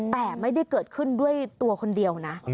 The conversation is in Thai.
แต่ไม่ได้เกิดขึ้นด้วยตัวคนเดียวนะ